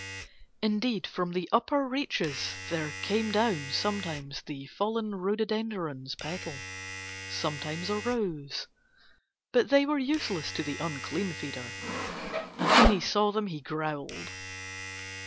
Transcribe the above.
Indeed from the upper reaches there came down sometimes the fallen rhododendron's petal, sometimes a rose; but they were useless to the unclean feeder, and when he saw them he growled.